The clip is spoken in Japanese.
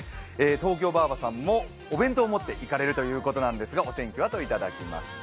東京ばあばさんもお弁当を持って出かけられるということですが、お天気は？といただきました。